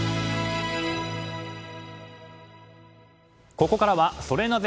ここからはソレなぜ？